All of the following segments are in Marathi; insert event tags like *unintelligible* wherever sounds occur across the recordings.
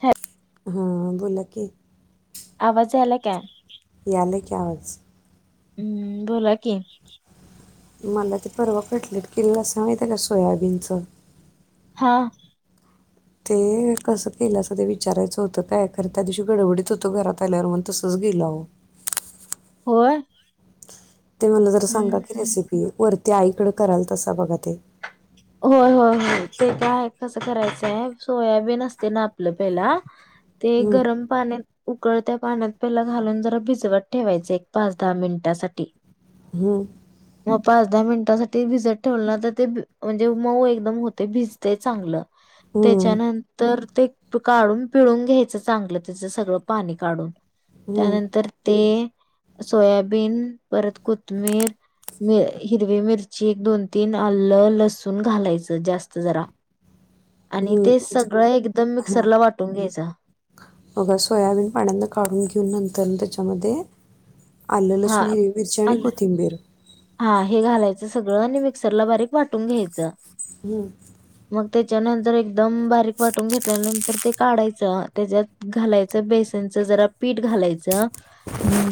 ह हां बोला की आवाजला का याला की आवाज हम्म बोला की मला ते परवा कटलेट केल्ला स ह त्याला सोयाबीनचं हां ते कसं केलं अस ते विचारायचं होतं काय खरं त्या दिवशी गडबडीत होतो घरात आल्यावर मण तसच गेला हो होय ते मला जर सांगा की हम्म. रेसिपी वरती ते आईकडं कराल तसां बघा ते हो हो ते काय कसं करायचंय सोयाबीन असते ना आपलं पहिला ते हं, गरम पाण्यात उकळत्या पाण्यात पला घालून जरा भिजवत ठेवायचं एक पाच दहा मिनिटासाठी ह मग पाच दहा मिनिटांसाठी भजत ठेवला तर ते म्हणजे मऊ एकदम होते भिजतेय चांगलं हं, त्याच्यानंतर ते काढून पिळून घ्यायचं चांगलं त्याच सगळं पाणी काढून हं, त्यानंतर ते सोयाबीन परत कोथमीिर हिरवी मिरची दोन तीन आलं लसण सुन घालायचं जास्त जरा. आणि हुं ते सगळं एकदम हा मिक्सरला वाटून घ्यायचं मग सोयाबीन पाण्यातन काढून घेऊन नंतर न त्याच्या मध्ये आलं हा लसुण हिरवी मिरची आणि आलं कोथिंबीर हा हे घालायचं सगळं आणि मिक्सरला बारीक वाटून घ्यायचं. हुं मग त्याच्यानंतर एक दम बारीक वाटून घेतल्यानंतर ते काढायचं त्याच्यात घालायचं बेसनचं जरा पीठ घालायचं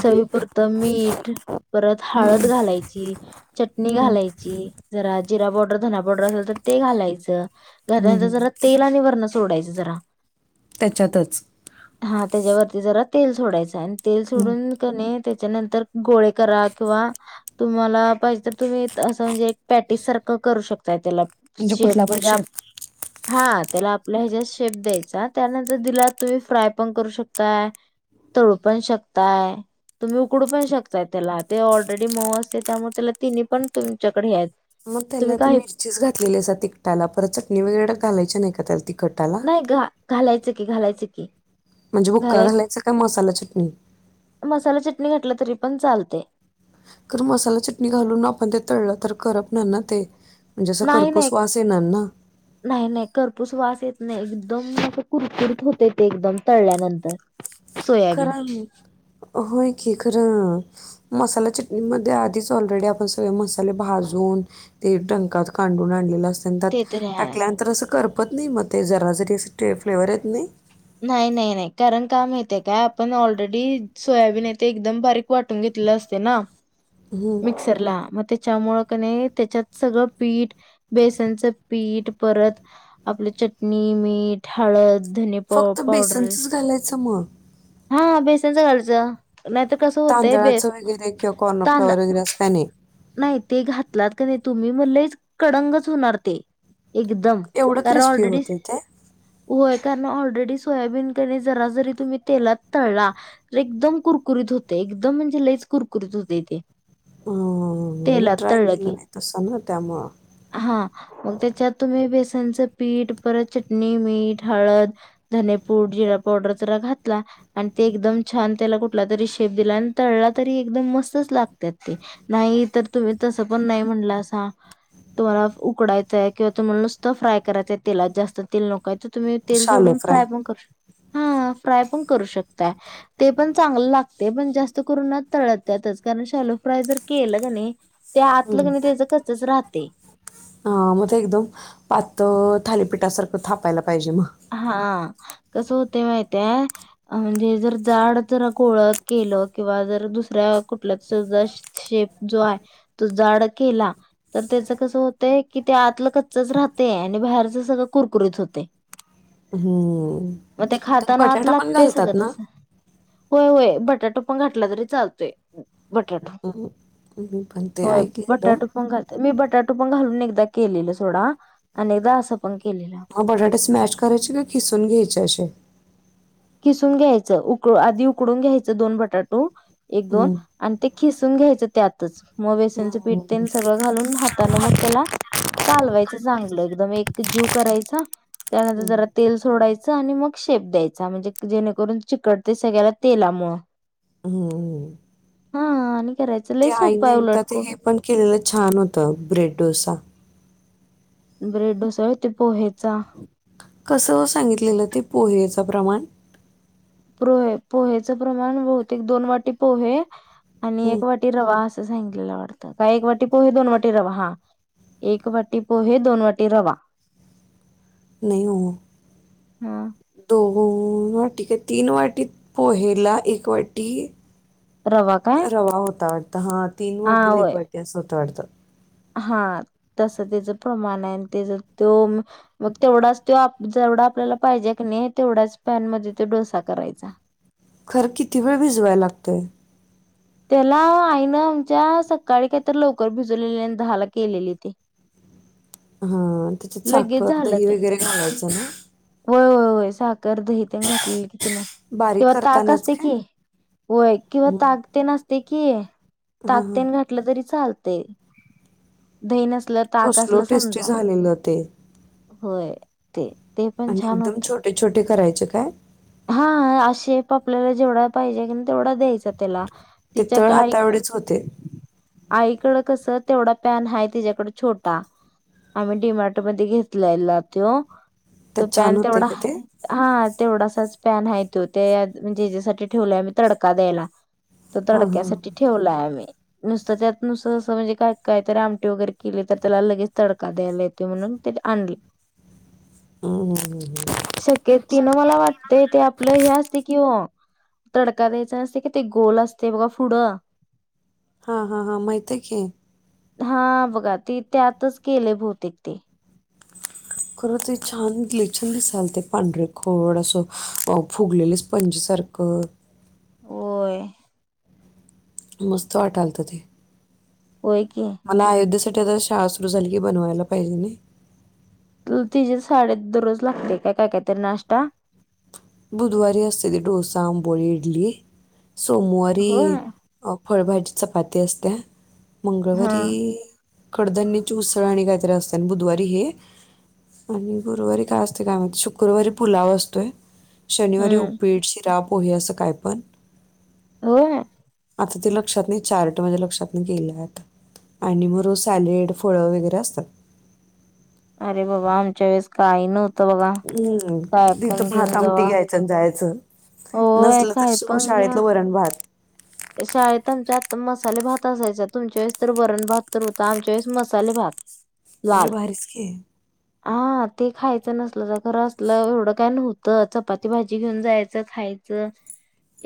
चवीपुर त मीठ परत हळद घालायची. चटणी हम्म, घालायची जरा जिरा पावडर धना पावडर असल तर ते घालायचं. हम्म, हम्म. *unintelligible* सोडायचं जरा. त्याच्यातच हा त्याच्यावरती जरा तेल सोडायचं आणि तेल सोडून कणे त्याच्यानंतर गोळे करा किंवा तुम्हाला पाहिजे तर तुम्ही असं म्हणजे पॅटीस सारखं करू शकताय त्याला म्हणजे शेप कुठला पण म्हणजे आप शेप हा त्याला आपला ह्याच्या शेप द्यायचा त्यानंतर त्याला तुम्ही फ्राय पण करू शकताय तळू पण शकताय तुम्ही उकडू पण शकताय त्याला ते ऑलरेडी मऊ असते त्यामुळे त्याला तिन्ही पण तुमच्याकडे हे आहेत. मग त्याला तुम्ही ती काही मिरचीच घातलेली अस तिकटाला परत चटणी वगैरे घालायची नाही का त्या नाही ग घालाय च की घायंच की. म्हणजे भुक्का घालायचं घालायचा काय मसाला चटणी. कुठलं तरी पण चालतंय तर मसाला चिटणी घालून आपण ते तळलं तर करप नार ना ते म्हणजे अस नाही, नाही, करपूस वास येणार ना. नाही, नाही खरपूस वास येत नाही एकदम असता कुरकुरत होते ते एकदम तळल्यानंतर. सोयाबीन खरं होय की खरं मसाला चटणी मध्ये आधीच ऑलरेडी आपण सगळे मसाले भाजून ते डंकात कांडून आणलेल असत. ते त्यात तरी हाय. टाकल्यानंतर असं कर होत नाही मग ते जरा जरी स्टे फ्लेवर येतो नाही नाही नाही नाही कारण का माहितेय काय आपण ऑलरेडी सोयाबीन आहे ते एकदम बारीक वाटून घेतलेलं असते ना हम्म मिक्सर ला मग ते त्याच्यामुळं क नाय त्याच्यात सगळं पीठ बेसनचं पीठ परत आपलं चटणी, मीठ, हळद धने पाव फक्त पावडर बेसनचचं घालायचं मग हा हा बेसनचं घालायचं नाहीतर कसं होतंय बे तांदळाचं वगैरे किंवा तांदा कॉर्नफ्लॉवर वगैरे असं काय नाही नाही ते घातलात का नाही तुम्ही मग लय कडंगच होणार ते एकदम एवढं कर क्रिस्पी ऑलरेडी होते ते व्हय कारण ऑलरेडी सोयाबीन कणी जरा जरी तुम्ही तेलात तळला तर एकम कुरकुरीत होते एकदम म्हणजे लईच कुरकुरीत होतय ते अं, मी तेलात ट्राय तळ्ल की केलं नाही तसं ना त्यामुळं. हा मग त्याच्यात तुम्ही बेस च पीठ परत चटणी, मीठ, हळद, धनेपूड, जिरा पावडर जरा घातला आणि ते एकदम छान त्याला कुठला तरी शेप दिला आणि तळला तरी एकदम मस्तच लागत्यात ते नाही तर तुम्ही तसं पण नाही म्हणलासा तुम्हाला उकडायचंय किंवा तुम्हाला नुसतं फ्राय करायचंय तेलात जास्त तेल नको काही तर तुम्ही तेल सोडून फ्राय पण करू शक हा फ्राय पण करू शकताय ते पण चांगलं लागते पण जास्त करून तळत्यातच कारण शाॅलो फ्राय जर केलं कनी हा मग ते एकदम पातळ थालीपीठासारखं थाप हा कसं होते माहितेय म्हणजे जर जाड जरा गोळा केलं किंवा जर दुसऱ्या कुठल्याच ज शे शेप जो आहे तो जाड केला तर त्याच कसं होतय कि ते आतलं कच्चच राहतेय आणि बाहेरच सगळं कुरकुरीत होते हम्म. म ते त्यात खाताना आत बटाटा पण लागतयच सगळं घालतात ना? तस होय होय भट बटाटा पण घातला तरी चालतोय बटाटो हम्म. मी पण ते होय ऐकलेलं. बटाटो पण घाते मी बटाट पण घालून एकदा केलेलो सोडा आणि एकदा अस मग बटाटे स्मॅश करायचे का किसून घ्यायचे असे किसून घ्यायच उकडु आधी उकडून घ्यायचं दोन बटाटो एक दोन हम्म. आणि ते खिसून घ्यायचं त्यातच मग बेसनचं हम्म. पीठतेन सगळं घालून हाताानं मग त्याला कालवायचं चांगलं एकदम एक जीव करायचा त्यानंतर हम्म. जरा तेल सोडायच चा आणि मग शेप द्यायच हा म्हणजे जेणेकरून चिकटते सगळ्याला तेलामुळं हम्म् हम् आणि करायचं लई सोपय उलट ते को हे पण केलेलं छान होता ब्रेड डोसा ब्रेड डोसा ते पोहे कस सांगितलेलं ते पोहेच च प्रमाण पोहे पोहेच प्रमाण बहतेक दोन वाटी पोहे आणि हं, एक वाटी रवा अस सांगितलेल वाटत का एक वाटी पोहे दोन वाटी रवा हा एक वाटी पोहे दोन वाटी रवा नाही हो हा. दो ह टक तीन वाटीत पोहेला एक वाटी रवा काय रवा होता वाटत हा तीन हा वाटीला एक होय वाटी असं होत वाटतं हा तस त्याच प्रमाण आहे आणि त्याच तो मग तेवढाच जेवढा आपल्याला पाहिजे की नाही तेवढ्याच पॅन मध्ये तो डोसा करायचा खरं किती वेळ भिजवायला लागतंय त्याला आईनं आमच्या सकाळी काहीतरी लवकर भिजवलेली दहाला केलेली ते हा त्याच्यात साखर दही वगैरे घालायचं ना हो साखर दहीतेन घातलेली बारीक किंवा ताक करतानाच असते की काय होय किंवा हं, ताकते न असते की हां हां ताकतेन घातलं तरी चालत ते दही कसल टेस्टी समजा झालेलं ते होय ते ते पण आणि छान एकदम होते छोटे छोटे करायचे अच्छा काय हा आशेप आपल्याला जेवढा पाहिजे की तेवढा द्यायचा त्याला ते तिच्या तळ हाताएवढेच होते आईकड कसं तेवढा पॅन आहे तिच्याकड छोटा आम्ही डी मार्ट मध्ये घेतलाला तो तो त्यात छान पॅन होते तेवढा का ते हा तेवढा पॅन ह त ते म्हणजे हच्यासाठी ठेवलं मी तडका द्यायला तो हां हां तडक्यासाठी ठेवलाय आम्ही नुसत त्यात नुसतं असं म्हणजे काय काय तर आमटी वगैरे केले तर त्याला लगेच तडका द्यायला येते म्हणून ते आणले. हं, हं, हं, हं. शक्य तिन मला वाट ते ते आपलं हे असते कि हो तडका द्यायचा नसते कि ते गोल असते बघा पुढं हा हा हा माहितय की हा बघा त त्यातच केले भौतेिक ते खरं ते छान लेछान दिसाल ते पांढरे खोड असं फुगलेले स्पंज सारखं? वय मस्त वाटालत ते! होय की मला आयोध्यासाठी कठ शाळा सुरू झाली की बनवायला पाहिजे नाही. तिचीे साडे दर रोज लागते काय काय कायतरी नाश्ता? बुधवारी हते ते डोसा अंबली इडली. सोमवारी होय फळभाजी चपाती असत्या हा मंगळवारी कडधनीची उसळ आणि काहीतरी असते आणि बुधवारी हे आणि गुरुवारी काय असते काय म्ह शुक्रवारी पुलाव असतोय. शनिवारी हम्म उपीट शिराब पोहे असं काय पण. हो आता ते लक्षात नाही चार्ट माझ्या लक्षात नाही केले आता आणि मग सॅलेड फळ वगैरे असतात. अरे बाबा आमच्या वेळेस काही नवतं. हम्म तिथं भात आमटी जावा घ्यायचं आणि जायचं होय नसलं तर काय पण घ्या शाळेतलं वरण भात शाळेत आमच्या आता मसाले भात असायचा तुमच्या वेळेस तर वरण भात तर होता आमच्या वेळेस मसाले भात! वई लाल भारीच की हा ते खायचं नसल तर खर असलं एवढं काय नव्हतं चपाती भाजी घेऊन जायचं खायचं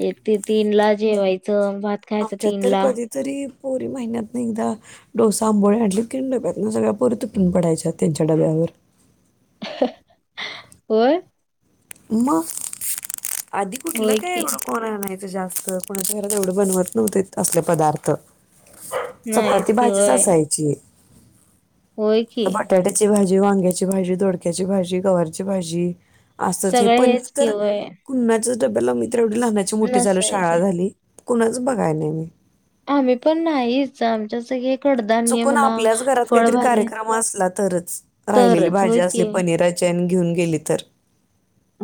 एक ते तीन ला जेवायचं. भात खायच आमच्यात तीन तर ला. कधीतरी पोरी महिन्यातन एकदा डोसा आंबोळे आणलेत की डब्यात ना सगळ्या पोर तुटून पडायच्या त्यांच्या डब्यावर! होय म आधी कुठलं होय काय की एवढं कोरा नाही. जास्त कोणाच्या घरात एवढं बनवत नव्हते असले पदार्थ. नाहीच चपाती की भाजीच होय असायची. होय की टाट्याची भाजी जी वांग्याची- भाजी दोडक्याची -भाजी गववरची- भाजी. असच हे सगळे पण हेच की तर होय कु्हाच. तब्बलम. एवढी लहानाची मोठी लू शाळा नसायचे झाली. कुणाच बघाय नाही मी. आम्ही पण नाहीच आमच्या स चुकून आपल्याच घरात काहीतरी कार्यक्रम असत तरच राहिलेली तरच भाजी होय असली की पनीराची घेऊन गेली तर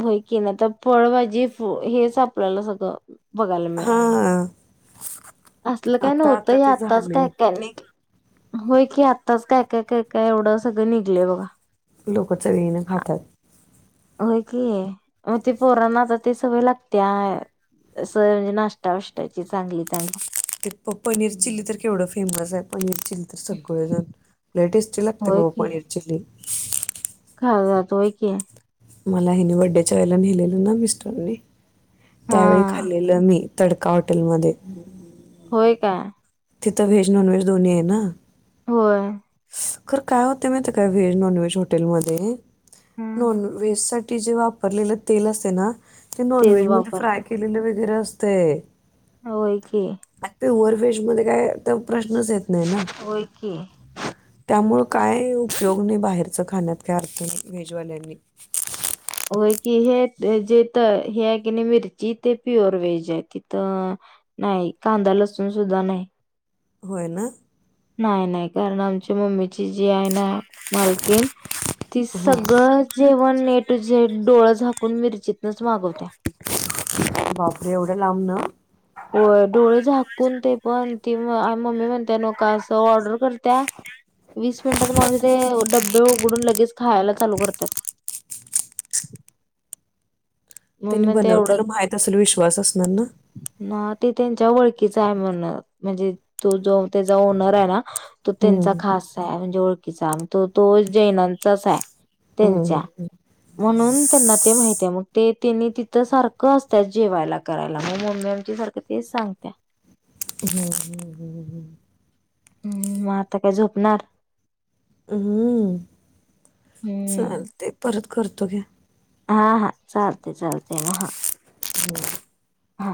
होय की नाहीता फळभजी हेच आपल्याला सगळं हा हा असल काय नव्हतं हे आताच झाले काय काय नाही होय की आता आताच काय काय काय काय एवढं सगळं निघलंय बघा लोक च विहिणं आ- खातात होय कि मग ते पोरांना आता ते सवय लागते अस म्हणजे नाश्तावाष्टाची चांगली चांगली ते पनीर चिली तर केवढं फेमस आहे पनीर चिली तर सगळेजण टेस्टी लागते बा पनीर चिली खा तोय क मला हनी बड्डेच्या वेयला नेहिलेल ना मिस्टरने हा त्यावेळी खाल्लेलं मी तडका हॉटेलमध्ये होय काय तिथ व्ज नॉन व्ज दो्ही आहे ना होय ख काय होते माहित काय व्हेज नॉन व्हेज हॉटेलमध्ये हम्म नॉन वेज ति जे वापरलेलं तेल असे ना ते तेच नॉनव्हेज म्हध्ये फ्रय वापरतो केलेलं वगैरे असत ते होय की. पिवर व्हेज मध्ये *unintelligible* तो प्रश्नच येत नाही होय की त्यामुळं काय उपयोग नाही बाहेरचं खाण्यात काय अर्थ नाही व्हेजवाल्यांनी. होय कि हे ते जेत हे हाय की नाय मिरची, ते प्युअर व्हेज आहे तिथं नाही कांदा लसूण सुद्धा नाही. होय ना? नाही नाही. कारण आमची मम्मीची जी आहे ना, मालकीन ती हां सगळं जेवण नेट जे डोळ झा मिरचित बापरे एवढ्या लांब न होय डोळे झाकून ते पण ती आ मम्मी म्हणत्या लोकास ऑर्डर करत्या वीस मिनिटात म्हणजे ते डब्बे उघडून लगेच खायला चालू करत्यात त्यांनी बनव त्याला माहित असल विश्वास असणार ना? ना ते त्यांच्या वळ कीचय म्हण म्हणजे तो जो त्याचा ओनर हाय ना तो त्यांचा हम्म खास हाय म्हणजे ओळ सांगतो तो जैनांचाच हाय. हम्म त्यांच्या, हम्म म्हणून त्यांना ते माहित्या ते तिनी तिथं सारखं आसत्यात जेवायला करायला मग मम्मी आमची सारखं तेच सांगत्या हम्म, हम्म, हम्म, हम्म. हम्म, म आता काय झोपणार हम्म, हम्म चालतय परत करतो घे. हा हा चालतय चालतय म हा *inaudible* हा